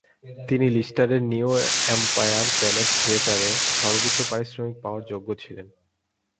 তিনি লিস্টারের New Empire Palace থিয়েটারের সর্বোচ্চ পারিশ্রমিক পাওয়ার যোগ্য ছিলেন।